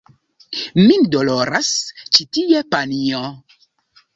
Min doloras ĉi tie, panjo!